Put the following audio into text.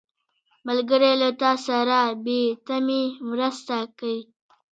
ملګری له تا سره بې تمې مرسته کوي